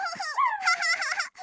ハハハハ！